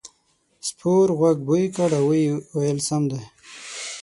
سپور غوږ بوی کړ او وویل سم دی.